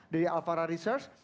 dari alfarah research